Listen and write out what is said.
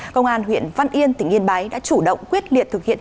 công an huyện văn yên tỉnh yên bái đã chủ động quyết liệt thực hiện